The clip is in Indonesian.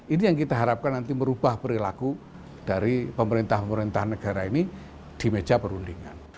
ini yang kita harapkan nanti merubah perilaku dari pemerintah pemerintah negara ini di meja perundingan